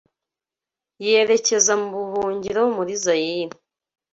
yerekeza mu buhungiro muri Zayire